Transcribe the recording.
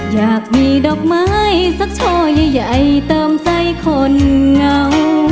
อยากมีดอกไม้สักช่อใหญ่เติมใจคนเหงา